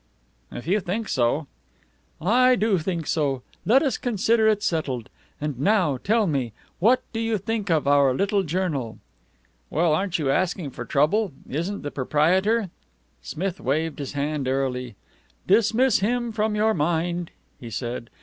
"If you think so " "I do think so. Let us consider it settled. And now, tell me, what do you think of our little journal?" "Well aren't you asking for trouble? Isn't the proprietor ?" Smith waved his hand airily. "Dismiss him from your mind," he said.